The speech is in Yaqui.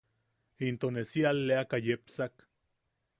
Into ne si alleaka yepsak.